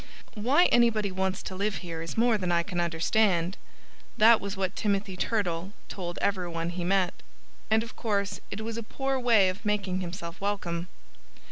"Why anybody wants to live here is more than I can understand." That was what Timothy Turtle told everyone he met. And of course it was a poor way of making himself welcome.